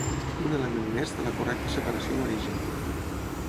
Un element més de la correcta separació en origen.